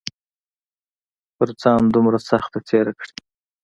پۀ ځان دومره سخته تېره کړې